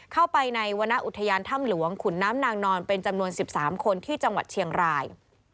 เข้าไปในวรรณอุทยานถ้ำหลวงขุนน้ำนางนอนเป็นจำนวน๑๓คนที่จังหวัดเชียงราย